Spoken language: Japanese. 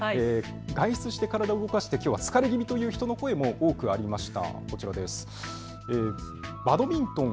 外出して体を動かしてきょうは疲れ気味という方の声も多くありました。